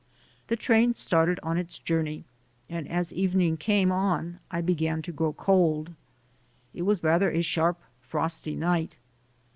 The train started on its journey, and as evening came on I began to grow cold. It was rather a sharp frosty night.